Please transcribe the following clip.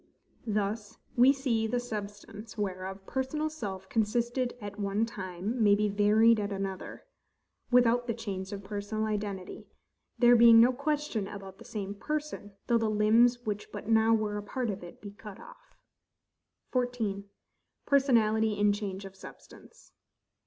Thus, we see the SUBSTANCE whereof personal self consisted at one time may be varied at another, without the change of personal identity; there being no question about the same person, though the limbs which but now were a part of it, be cut off. 14. Personality in Change of Substance.